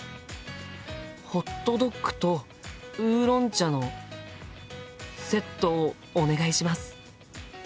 ホットドッグとウーロン茶のセットをお願いします。